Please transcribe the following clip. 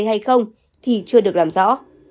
hay không thì chưa được làm rõ